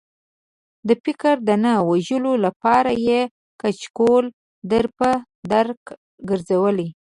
د فکر د نه وژلو لپاره یې کچکول در په در ګرځولی.